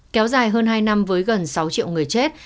kéo dài hơn hai năm với gần sáu triệu người chết